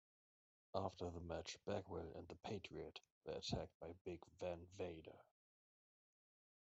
After the match, Bagwell and The Patriot were attacked by Big Van Vader.